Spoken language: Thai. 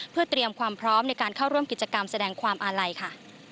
เพื่อเตรียมความพร้อมในการเข้าร่วมกิจกรรมแสดงความอาลัยค่ะ